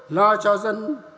lo cho dân